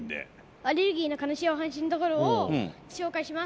アレルギーの悲しいお話のところを紹介します。